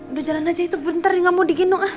udah jalan aja itu bentar gak mau diginung